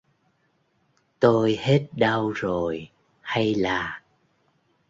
Tôi hết đau rồi hay là